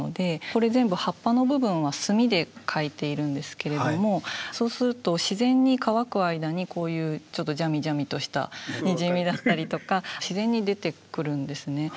これ全部葉っぱの部分は墨で描いているんですけれどもそうすると自然に乾く間にこういうちょっとじゃみじゃみとしたにじみだったりとか自然に出てくるんですね。